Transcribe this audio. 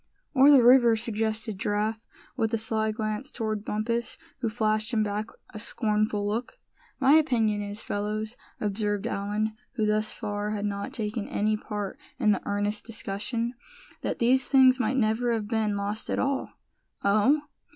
"Or the river," suggested Giraffe, with a sly glance toward Bumpus, who flashed him back a scornful look. "My opinion is, fellows," observed Allan, who thus far had not taken any part in the earnest discussion, "that these things might never have been lost at all." "Oh!